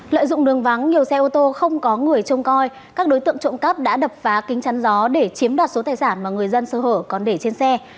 lợi dụng đường vắng nhiều xe ô tô không có người trông coi các đối tượng trộm cắp đã đập phá kính chăn gió để chiếm đoạt số tài sản mà người dân sơ hở còn để trên xe